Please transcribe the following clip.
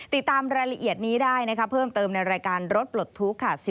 ติดตามรายละเอียดนี้ได้นะคะเพิ่มเติมในรายการรถปลดทุกข์ค่ะ